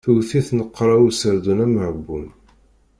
Tewwet-it nneqra userdun ameɣbun.